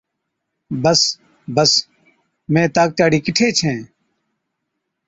بس بس، مين طاقتِي هاڙِي ڪِٺي ڇَِين؟